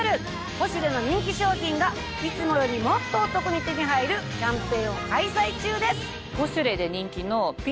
『ポシュレ』の人気商品がいつもよりもっとお得に手に入るキャンペーンを開催中です。